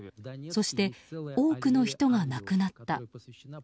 そして多くの人が亡くなった。